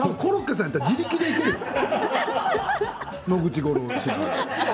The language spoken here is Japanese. コロッケさんだったら自力でいきますよ。